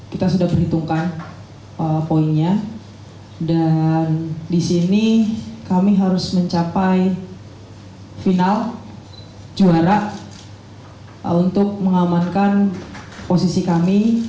kita sudah perhitungkan poinnya dan di sini kami harus mencapai final juara untuk mengamankan posisi kami